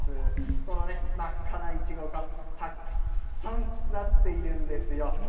このね、真っ赤なイチゴがたくさんなっているんですよ。